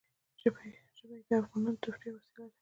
ژبې د افغانانو د تفریح یوه وسیله ده.